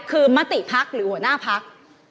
คือมติพักหรือหัวหน้าพัก